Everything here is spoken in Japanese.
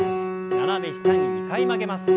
斜め下に２回曲げます。